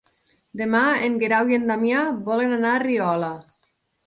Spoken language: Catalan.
Demà en Guerau i en Damià volen anar a Riola.